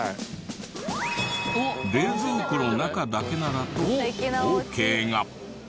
冷蔵庫の中だけならとオーケーが。